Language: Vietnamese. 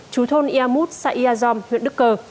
chú thôn ia mút xã ia giom huyện đức cơ